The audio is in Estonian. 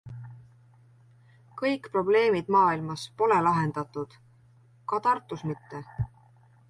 Kõik probleemid maailmas pole lahendatud, ka Tartus mitte.